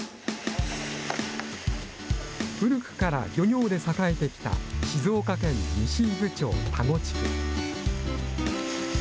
古くから漁業で栄えてきた、静岡県西伊豆町田子地区。